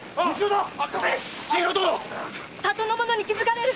里の者に気づかれる！